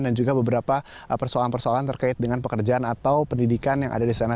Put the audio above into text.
dan juga beberapa persoalan persoalan terkait dengan pekerjaan atau pendidikan yang ada di sana